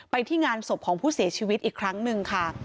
ที่งานศพของผู้เสียชีวิตอีกครั้งหนึ่งค่ะ